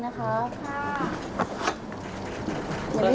สวัสดีครับ